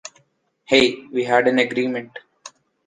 Hey, we had an agreement!